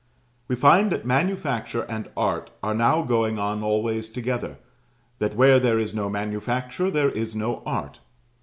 We find that manufacture and art are now going on always together; that where there is no manufacture there is no art.